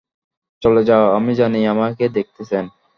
চলে যাও আমি জানি আমাকে দেখতেছেন!